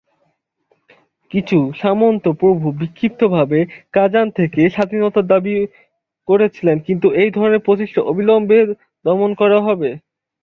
কিছু সামন্ত প্রভু বিক্ষিপ্তভাবে কাজান থেকে স্বাধীনতার দাবি করেছিলেন, কিন্তু এই ধরনের প্রচেষ্টা অবিলম্বে দমন করা হবে।